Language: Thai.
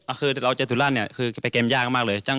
คือเราเจอสุราชเนี่ยคือไปเกมยากมากเลย